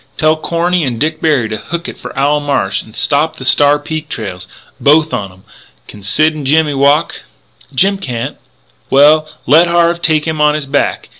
Tell Corny and Dick Berry to hook it for Owl Marsh and stop the Star Peak trails both on 'em.... Can Sid and Jimmy walk?" "Jim can't " "Well, let Harve take him on his back.